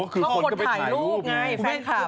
เขามดถ่ายรูปไงแฟนคลับ